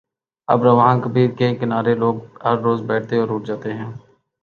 آب روان کبیرکے کنارے لوگ ہر روز بیٹھتے اور اٹھ جاتے ہیں۔